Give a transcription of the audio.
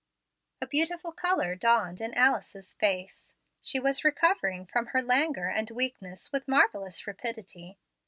A beautiful color dawned in Alice's face. She was recovering from her languor and weakness with marvellous rapidity.